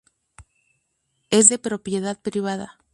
Es de Propiedad Privada.